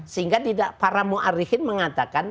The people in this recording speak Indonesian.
sehingga para mu'arrikin mengatakan